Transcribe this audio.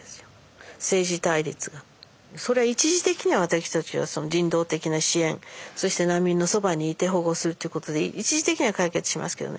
そりゃ一時的には私たちは人道的な支援そして難民のそばにいて保護するっていうことで一時的には解決しますけどね。